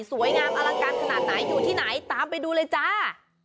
สวยงามอลังการขนาดไหนอยู่ที่ไหนตามไปดูเลยจ้า